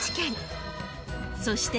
［そして